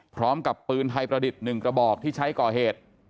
พร้อมกับปืนไทยประดิษฐ์๑กระบอกที่ใช้ก่อเหตุ